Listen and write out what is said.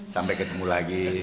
sampai ketemu lagi